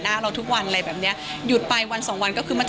แต่ไปแล้วรีบกลับตลอด